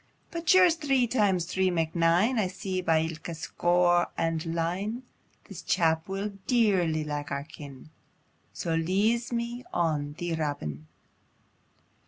"But sure as three times three mak nine, I see by ilka score and line, This chap will dearly like our kin', So leeze me on thee! Robin."